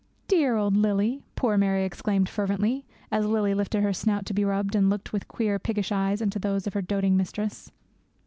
'Dear old Lily,' poor Mary exclaimed fervently, as Lily lifted her snout to be rubbed, and looked with queer, piggish eyes into those of her doting mistress.